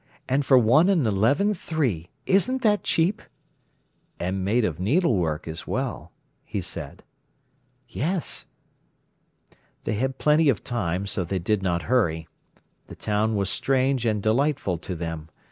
And for one and eleven three. Isn't that cheap?" "And made of needlework as well," he said. "Yes." They had plenty of time, so they did not hurry. The town was strange and delightful to them.